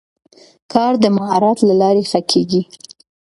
کار د مهارت له لارې ښه کېږي